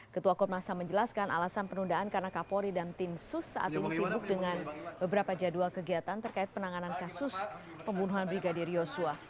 ketua komnas ham menjelaskan alasan penundaan karena kapolri dan tim sus saat ini sibuk dengan beberapa jadwal kegiatan terkait penanganan kasus pembunuhan brigadir yosua